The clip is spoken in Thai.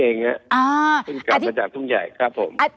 เพิ่งกลับมาจากทุ่งใหญ่ครับผม